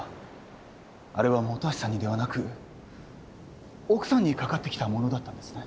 あれは本橋さんにではなく奥さんにかかってきたものだったんですね。